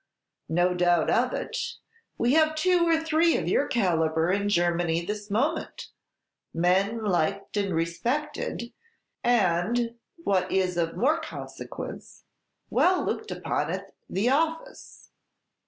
"No doubt of it; we have two or three of your calibre in Germany this moment, men liked and respected; and, what is of more consequence, well looked upon at 'the Office.'"